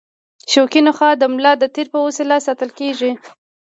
شوکي نخاع د ملا د تیر په وسیله ساتل کېږي.